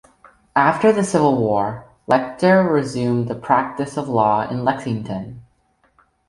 After the Civil War, Letcher resumed the practice of law in Lexington.